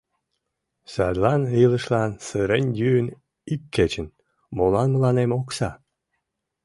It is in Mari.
Садлан илышлан сырен йӱын ик кечын: Молан мыланем окса?